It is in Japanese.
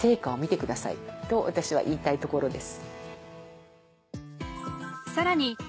と私は言いたいところです。